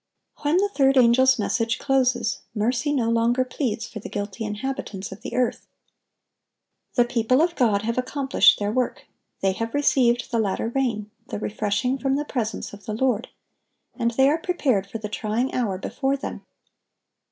(1053) When the third angel's message closes, mercy no longer pleads for the guilty inhabitants of the earth. The people of God have accomplished their work. They have received "the latter rain," "the refreshing from the presence of the Lord," and they are prepared for the trying hour before them.